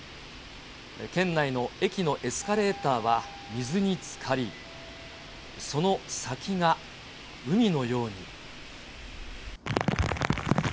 県内の駅のエスカレーターは水につかり、その先が海のように。